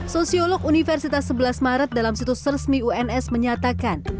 sosiolog universitas sebelas maret dalam situs resmi uns menyatakan